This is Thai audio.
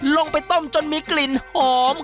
ลงไปต้มจนมีกลิ่นหอม